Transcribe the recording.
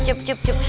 cukup cukup cukup